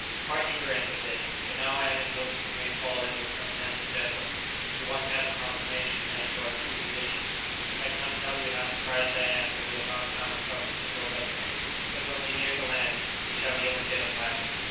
"Quite true," answered Dick; "but now I am in hopes we may fall in with some passing vessel; we want to have a confirmation as to our true position. I cannot tell you how surprised I am that we have not come across a single vessel. But when we near the land we shall be able to get a pilot."